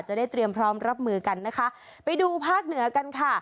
จะได้เตรียมพร้อมรับมือกันนะคะไปดูภาคเหนือกันค่ะ